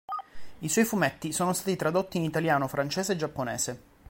I suoi fumetti sono stati tradotti in italiano, francese e giapponese.